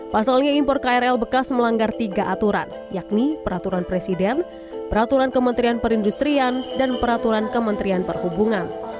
pasalnya impor krl bekas melanggar tiga aturan yakni peraturan presiden peraturan kementerian perindustrian dan peraturan kementerian perhubungan